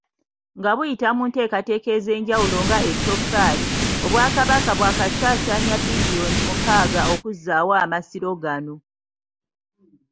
Nga buyita mu nteekateeka ez'enjawulo nga Ettoffaali, Obwakabaka bwakasaasaanya bbiriyooni mukaaga okuzaawo amasiro gano.